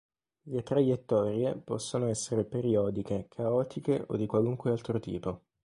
Le traiettorie possono essere periodiche, caotiche o di qualunque altro tipo.